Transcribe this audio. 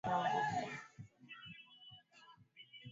meli ya titanic ilikuwa inatumia injini ya mvuke